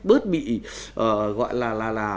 bớt bị gọi là là